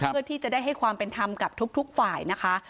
เพื่อที่จะได้ให้ความเป็นธรรมกับทุกฝ่ายนะคะ